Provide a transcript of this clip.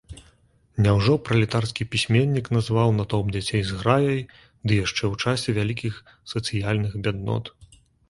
Няўжо пралетарскі пісьменнік назваў натоўп дзяцей зграяй, ды яшчэ ў часе вялікіх сацыяльных бяднот?